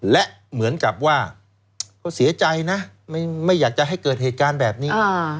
และเหมือนกับว่าเขาเสียใจนะไม่อยากจะให้เกิดเหตุการณ์แบบนี้